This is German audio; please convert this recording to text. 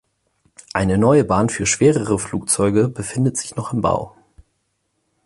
Eine neue Bahn für schwerere Flugzeuge befindet sich noch im Bau.